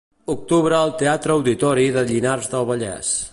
Octubre al Teatre Auditori de Llinars del Vallès.